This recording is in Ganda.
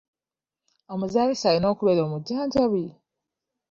Omuzaalisa alina okubeera omujjanjabi?